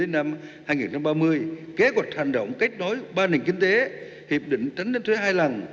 năm hai nghìn ba mươi kế hoạch hành động kết nối ba nền kinh tế hiệp định tránh đến thứ hai lần